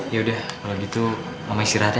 ya udah kalau gitu mama istirahat ya